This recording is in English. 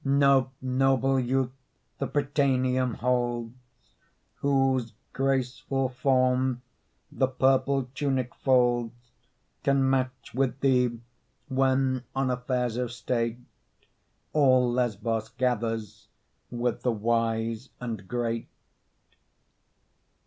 No noble youth the prytaneum holds, Whose graceful form the purple tunic folds Can match with thee, when on affairs of state All Lesbos gathers with the wise and great.